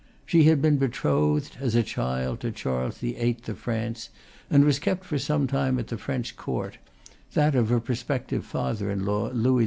She had been betrothed, is a child, to Charles VIII. of France, and was kept for some time at the French court, that of her prospective father in law, Louis XI.